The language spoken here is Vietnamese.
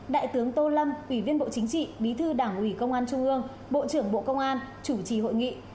đại tướng tô lâm ủy viên bộ chính trị bí thư đảng ủy công an trung ương bộ trưởng bộ công an chủ trì hội nghị